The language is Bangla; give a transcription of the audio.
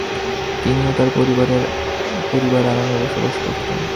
তিনি ও তার পরিবার আরামে বসবাস করতো।